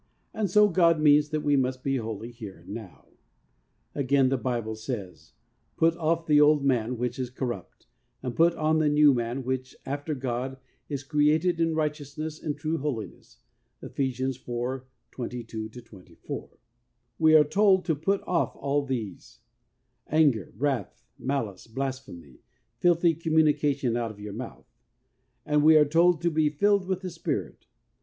And so God means that we must be holy here and now. 30 THE WAY OF HOLINESS Again the Bible says, ' Put oflF ... the old man, which is corrupt ... and put on the new man, which after God is created in righteousness and true Holiness ' (Eph. iv. 22 24). We are told to ' put off all these ; anger, wrath, malice, blasphemy, filthy com munication out of your mouth.' And we are told to ' be filled with the Spirit.